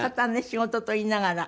仕事といいながら。